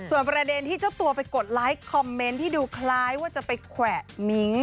ส่วนประเด็นที่เจ้าตัวไปกดไลค์คอมเมนต์ที่ดูคล้ายว่าจะไปแขวะมิ้ง